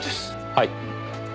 はい。